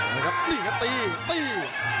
นี่ครับตีกันตี